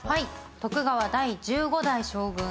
徳川第１５代将軍。